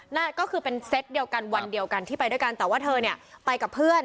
นั่นก็คือเป็นเซตเดียวกันวันเดียวกันที่ไปด้วยกันแต่ว่าเธอเนี่ยไปกับเพื่อน